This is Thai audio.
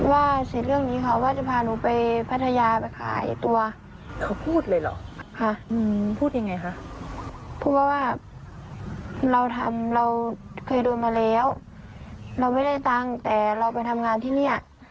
บ้านอีกเกราะเด็กหนังไหลแล้วเราไม่ได้ตังค์แต่เราไปทำงานที่นี้